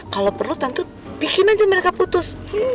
kalau perlu tentu bikin aja mereka putus